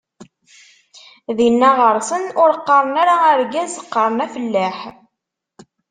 Dinna ɣer-sen ur qqaren ara argaz, qqaren afellaḥ.